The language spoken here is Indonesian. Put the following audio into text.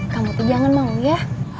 kamu tuh jangan mau ya